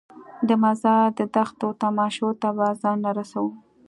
د مزار د دښتو تماشو ته به ځانونه رسوو.